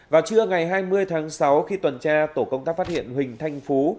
vào trưa ngày hai mươi tháng sáu khi tuần tra tổ công tác phát hiện huỳnh thanh phú